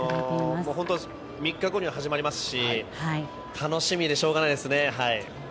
これ３日後には始まりますし楽しみでしょうがないですね。